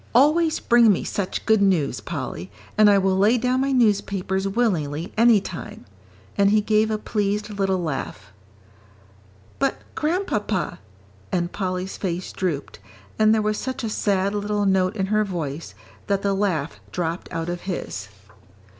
Always bring me such good news, Polly, and I will lay down my newspapers willingly any time." And he gave a pleased little laugh. "But, Grandpapa " and Polly's face drooped, and there was such a sad little note in her voice, that the laugh dropped out of his.